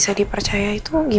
lada systemsnya nyari itu ko